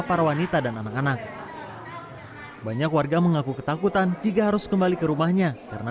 para wanita dan anak anak banyak warga mengaku ketakutan jika harus kembali ke rumahnya karena